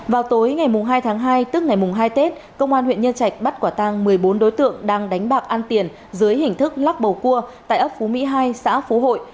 vào tối ngày hai tháng hai tức ngày hai tết công an huyện nhân trạch bắt quả tăng một mươi bốn đối tượng đang đánh bạc ăn tiền dưới hình thức lắc bầu cua tại ấp phú mỹ hai xã phú hội